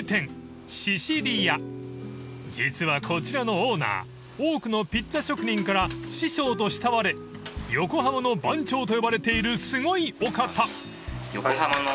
［実はこちらのオーナー多くのピッツァ職人から師匠と慕われ横浜の番長と呼ばれているすごいお方］